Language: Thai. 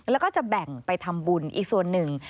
แล้วก็จะแบ่งไปทำบุญอีกส่วนหนึ่ง